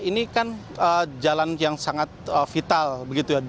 ini kan jalan yang sangat vital begitu ya